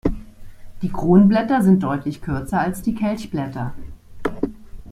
Die Kronblätter sind deutlich kürzer als die Kelchblätter.